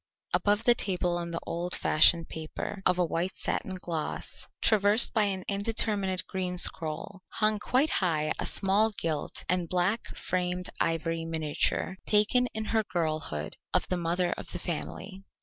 Above the table on the old fashioned paper, of a white satin gloss, traversed by an indeterminate green scroll, hung quite high a small gilt and black framed ivory miniature taken in her girlhood of the mother of the family.